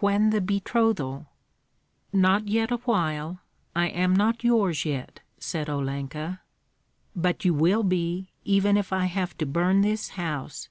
When the betrothal?" "Not yet awhile; I am not yours yet," said Olenka. "But you will be, even if I have to burn this house!